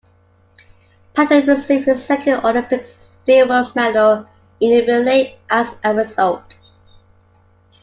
Patton received his second Olympic silver medal in the relay as a result.